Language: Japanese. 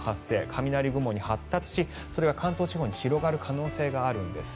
雷雲に発達しそれが関東地方に広がる可能性があるんです。